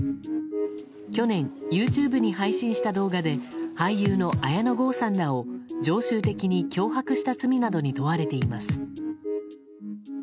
去年、ＹｏｕＴｕｂｅに配信した動画で俳優の綾野剛さんらを常習的に脅迫した罪などに問われています。